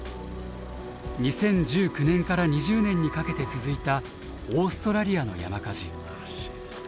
２０１９年から２０年にかけて続いたオーストラリアの山火事。